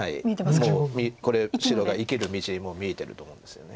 もうこれ白が生きる道見えてると思うんですよね。